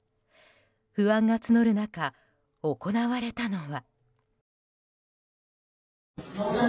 不安が募る中、行われたのは。